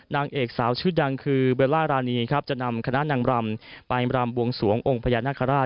นางเอกสาวชื่อดังคือเบลล่ารานีครับจะนำคณะนางรำไปรำบวงสวงองค์พญานาคาราช